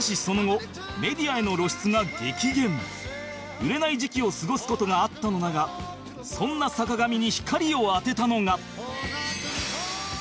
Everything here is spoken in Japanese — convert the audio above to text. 売れない時期を過ごす事があったのだがそんな坂上に光を当てたのが